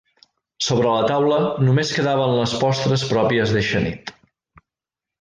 Sobre la taula només quedaven les postres pròpies d’eixa nit.